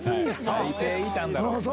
「泣いていたんだろう？」。